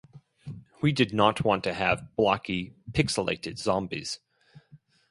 We did not want to have blocky, pixelated zombies.